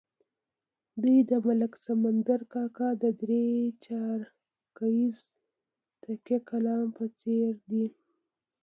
دوی د ملک سمندر کاکا د درې چارکیز تکیه کلام په څېر دي.